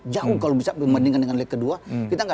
jauh kalau bisa berbandingkan dengan leg kedua